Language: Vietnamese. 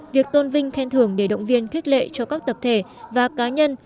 việc tôn vinh khen thường để động viên khuyết lệ cho các tập thể và cá nhân